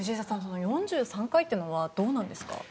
４３回というのはどうなんですか？